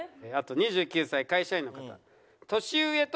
あと２９歳会社員の方。